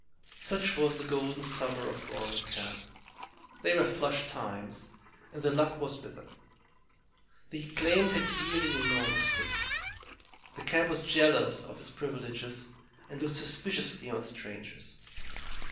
Such was the golden summer of Roaring Camp. They were "flush times," and the luck was with them. The claims had yielded enormously. The camp was jealous of its privileges and looked suspiciously on strangers.